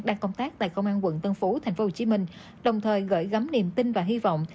đang công tác tại công an quận tân phú tp hcm đồng thời gửi gắm niềm tin và hy vọng